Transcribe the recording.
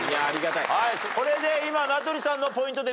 これで今名取さんのポイントで。